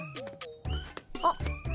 あっ。